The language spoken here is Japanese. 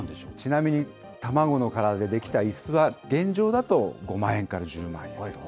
ちなみに、卵の殻で出来たいすは現状だと５万円から１０万円。